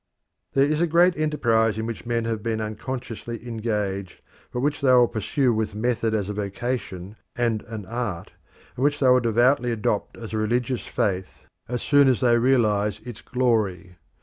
There is a great enterprise in which men have always been unconsciously engaged, but which they will pursue with method as a vocation and an art, and which they will devoutly adopt as a religious faith as soon as they realise its glory.